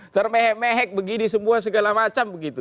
termehek mehek begini semua segala macam begitu